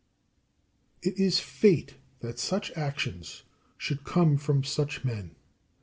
6. It is fate that such actions should come from such men.